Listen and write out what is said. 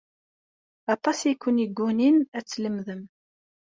Aṭas ay ken-yeggunin ad t-tlemdem.